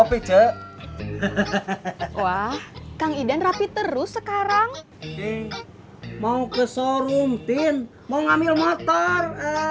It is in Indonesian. kopi je hehehe wah kang idan rapi terus sekarang mau ke showroom tin mau ngambil motor